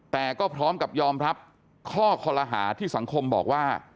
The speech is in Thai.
แต่ก็พร้อมกับยอมรับข้อคอลหาที่สังคมบอกว่า